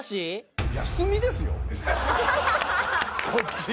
こっち。